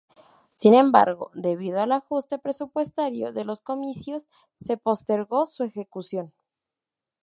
Sin embargo, debido al ajuste presupuestario de los comicios se postergó su ejecución.